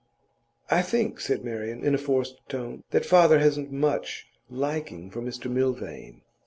'I think,' said Marian, in a forced tone, 'that father hasn't much liking for Mr Milvain.